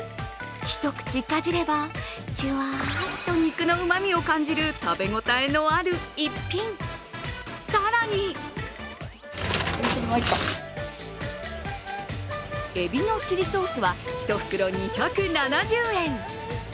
一口かじれば、ジュワーっと肉のうま味を感じる食べ応えのある逸品、更にえびのチリソースは１袋２７０円。